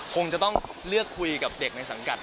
คงจะต้องเลือกคุยกับเด็กในสังกัด